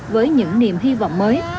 với những niềm hy vọng mới